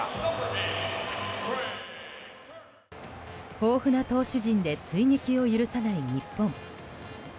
豊富な投手陣で追撃を許さない日本。